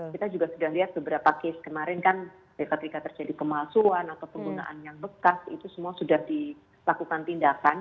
kita juga sudah lihat beberapa case kemarin kan ketika terjadi kemalsuan atau penggunaan yang bekas itu semua sudah dilakukan tindakan